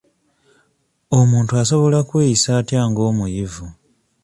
Omuntu asobola kweyisa atya ng'omuyivu?